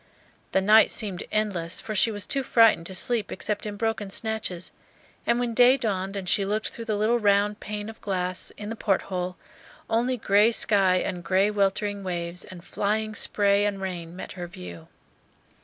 The night seemed endless, for she was too frightened to sleep except in broken snatches; and when day dawned, and she looked through the little round pane of glass in the port hole, only gray sky and gray weltering waves and flying spray and rain met her view.